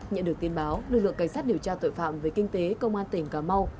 nhận được tin báo lực lượng cảnh sát điều tra tội phạm về kinh tế công an tỉnh cà mau